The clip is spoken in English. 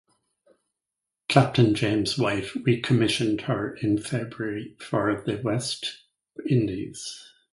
Captain James White recommissioned her in February for the West Indies.